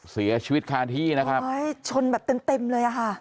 เสียชีวิตคาที่นะครับชนแบบเต็มเต็มเลยอ่ะค่ะ